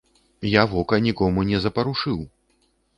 Я вока нікому не запарушыў.